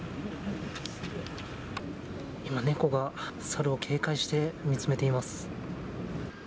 今、猫が猿を警戒して見つめています。